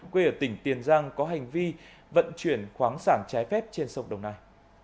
quê ở tỉnh tiền giang có hành vi vận chuyển khoáng sản trái phép trên sông đồng nai